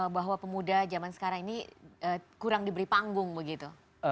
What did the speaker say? bahwa pemuda zaman sekarang ini kurang diberi panggung begitu